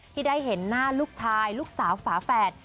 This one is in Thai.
ที่ได้เห็นหน้าลูกชายลูกสาวฝาแฝด